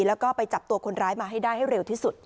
แล้วก็ไปจับตัวคนร้ายมาให้ได้ให้เร็วที่สุด